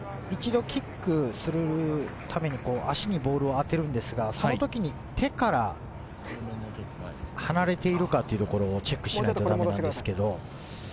一度キックするために、足にボールを当てるんですが、その時に手から離れているかというところをチェックしないとダメなんですけど。